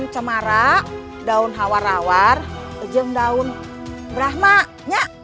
kejem daun brahma nye